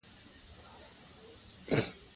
تنوع د افغانستان د ځمکې د جوړښت نښه ده.